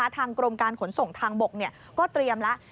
กรมการขนส่งทางบกก็เตรียมแล้ว